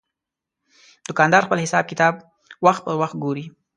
دوکاندار خپل حساب کتاب وخت پر وخت ګوري.